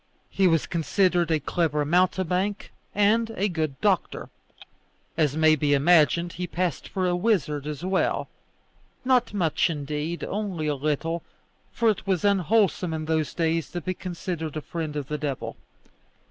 He was considered a clever mountebank and a good doctor. As may be imagined, he passed for a wizard as well not much indeed; only a little, for it was unwholesome in those days to be considered a friend of the devil.